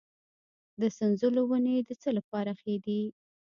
د سنځلو ونې د څه لپاره ښې دي؟